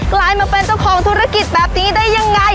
กลายมาเป็นเจ้าของธุรกิจแบบนี้ได้ยังไง